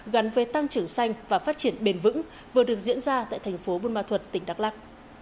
gắn với tăng trưởng xanh và phát triển bền vững vừa được diễn ra tại thành phố buôn ma thuật tỉnh đắk lắc